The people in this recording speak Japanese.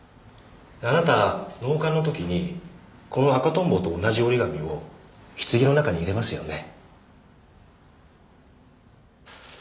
あなた納棺のときにこの赤トンボと同じ折り紙を棺の中に入れますよね？